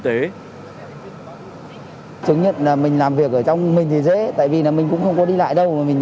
tế chứng nhận là mình làm việc ở trong mình thì dễ tại vì là mình cũng không có đi lại đâu mà mình